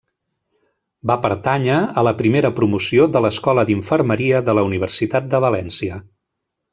Va pertànyer a la primera promoció de l'Escola d'Infermeria de la Universitat de València.